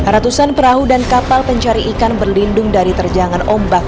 ratusan perahu dan kapal pencari ikan berlindung dari terjangan ombak